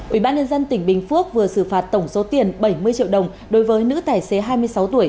ủy ban nhân dân tỉnh bình phước vừa xử phạt tổng số tiền bảy mươi triệu đồng đối với nữ tài xế hai mươi sáu tuổi